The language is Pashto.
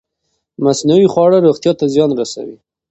مصنوعي خواړه روغتیا ته زیان رسوي.